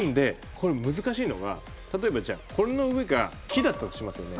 これ難しいのが例えばじゃあこれの上が木だったとしますよね。